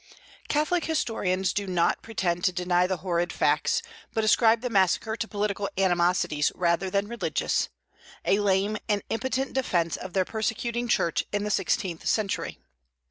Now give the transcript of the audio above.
Catholic historians do not pretend to deny the horrid facts, but ascribe the massacre to political animosities rather than religious, a lame and impotent defence of their persecuting Church in the sixteenth century.